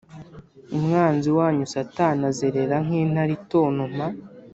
Umwanzi wanyu Satani azerera nk intare itontoma